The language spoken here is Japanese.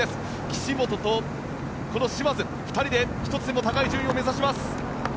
岸本と嶋津２人で１つでも高い順位を目指します。